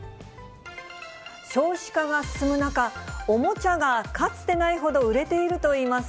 少子化が進む中、おもちゃがかつてないほど売れているといいます。